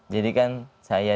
jadi kan saya